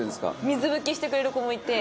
水拭きしてくれる子もいて。